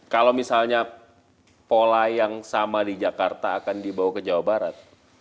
kalau misalnya pola yang sama di jakarta akan dibawa ke jawa barat